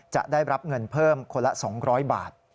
จะได้รับเงินเพิ่มคนละ๒๐๐บาท